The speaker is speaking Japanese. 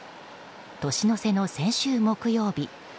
年の瀬の先週木曜日